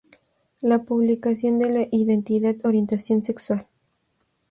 la publicación de la identidad orientación sexual